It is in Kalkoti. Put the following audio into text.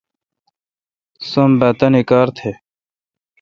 سم بھا تانی کار تھ۔